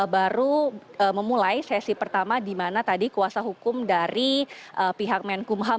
baru memulai sesi pertama di mana tadi kuasa hukum dari pihak menkumham